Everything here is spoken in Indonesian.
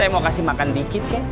masih makan dikit kek